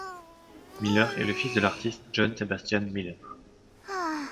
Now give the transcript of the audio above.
Miller est le fils de l'artiste John Sebastian Miller.